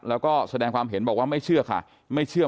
แล้วก็แสดงความเห็นบอกว่าไม่เชื่อค่ะไม่เชื่อ